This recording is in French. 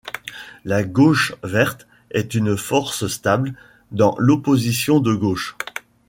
La gauche verte est une force stable dans l'opposition de gauche.